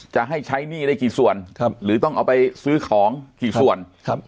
จะให้ใช้หนี้ได้กี่ส่วนครับหรือต้องเอาไปซื้อของกี่ส่วนครับ